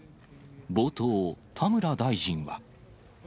冒頭、田村大臣は。